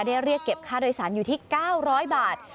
เรียกเก็บค่าโดยสารอยู่ที่๙๐๐บาท